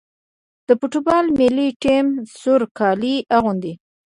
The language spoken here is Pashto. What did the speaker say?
د فوټبال ملي ټیم سور کالي اغوندي.